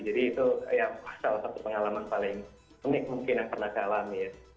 jadi itu salah satu pengalaman paling unik mungkin yang pernah saya alami ya